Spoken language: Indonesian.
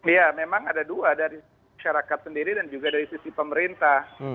ya memang ada dua dari masyarakat sendiri dan juga dari sisi pemerintah